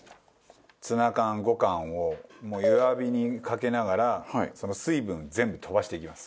ツナ缶５缶を弱火にかけながら水分全部飛ばしていきます。